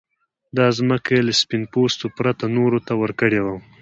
دا ځمکه يې له سپين پوستو پرته نورو ته ورکړې وه.